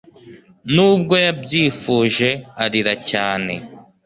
nubwo yabyifuje arira cyane